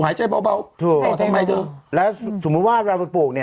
หายใจเบาเบาถูกทำไมด้วยแล้วสมมุติว่าเราจะปลูกเนี้ย